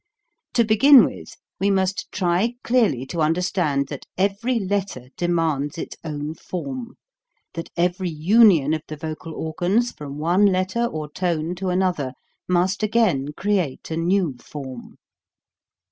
To begin with, we must try clearly to understand that every letter demands its own form, that every union of the vocal organs from one letter or tone to another must again create a new form.